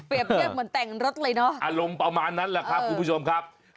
เงียบเหมือนแต่งรถเลยเนอะอารมณ์ประมาณนั้นแหละครับคุณผู้ชมครับ